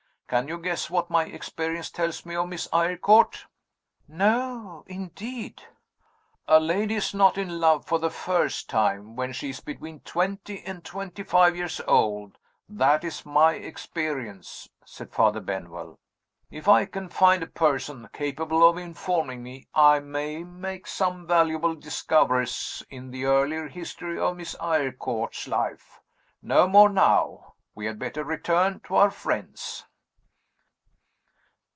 Can you guess what my experience tells me of Miss Eyrecourt?" "No, indeed!" "A lady is not in love for the first time when she is between twenty and twenty five years old that is my experience," said Father Benwell. "If I can find a person capable of informing me, I may make some valuable discoveries in the earlier history of Miss Eyrecourt's life. No more, now. We had better return to our friends."